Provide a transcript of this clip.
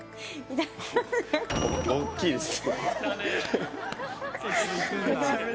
大きいですね。